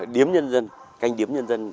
điếm nhân dân canh điếm nhân dân